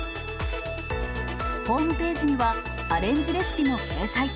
ホームページには、アレンジレシピも掲載。